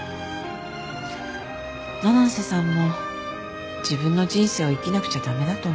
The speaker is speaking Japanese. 七瀬さんも自分の人生を生きなくちゃ駄目だと思う。